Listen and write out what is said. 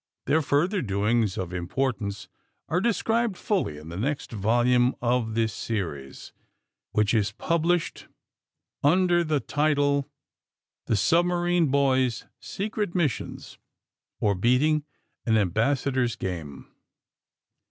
Their further doings of importance are described fully in the next volume of this series, which is published under AND THE SMUGGLEKS • 249 the title, *''The Submarine Boys' Secret Mis sion; Or, Beating an Ambassador's Game."